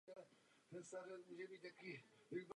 Ve druhé nejvyšší soutěži hrál i za Spoje Bratislava.